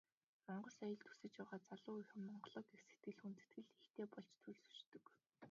Монгол соёлд өсөж байгаа залуу үеийнхэн Монголоо гэх сэтгэл, хүндэтгэл ихтэй болж төлөвшдөг.